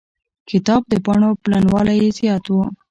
کتاب د پاڼو پلنوالی يې زيات و.